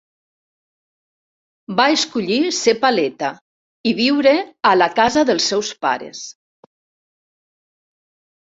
Va escollir ser paleta i viure a la casa dels seus pares.